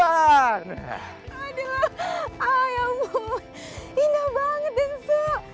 aduh ayamu indah banget densu